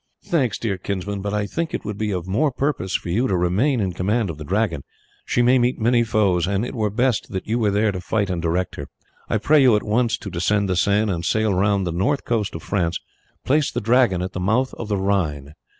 "Thanks, dear kinsman, but I think it would be of more purpose for you to remain in command of the Dragon. She may meet many foes, and it were best that you were there to fight and direct her. I pray you at once to descend the Seine and sailing round the north coast of France, place the Dragon at the mouth of the Rhine.